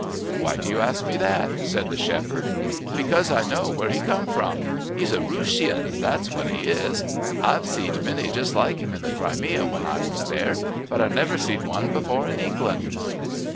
"Why do you ask me that?" said the shepherd. "Because I know where he come from: he's a Rooshian, that's what he is. I've see'd many just like him in the Crimea when I was there. But I never see'd one before in England."